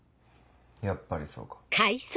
やっぱりそうか。